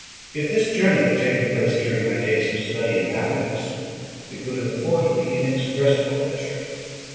If this journey had taken place during my days of study and happiness, it would have afforded me inexpressible pleasure.